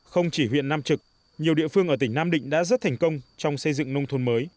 không chỉ huyện nam trực nhiều địa phương ở tỉnh nam định đã rất thành công trong xây dựng nông thôn mới